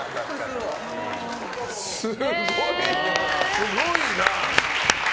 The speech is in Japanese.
すごいな。